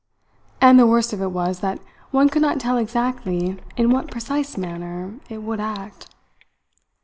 And the worst of it was that one could not tell exactly in what precise manner it would act.